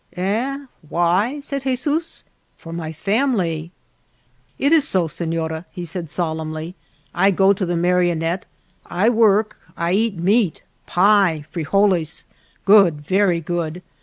"Eh, why?" said Jesus, "for my fam'ly." " It is so, seiiora," he said solemnly, " I go to the Marionette, I work, I eat meat — pie — frijoles — good, ver' good.